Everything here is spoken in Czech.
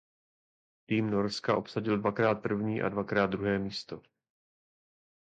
Tým Norska obsadil dvakrát první a dvakrát druhé místo.